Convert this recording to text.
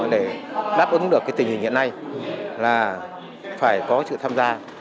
để đáp ứng được tình hình hiện nay là phải có sự tham gia